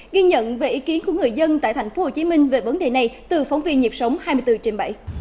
ghi nhận về ý kiến của người dân tại tp hcm về vấn đề này từ phóng viên nhịp sống hai mươi bốn trên bảy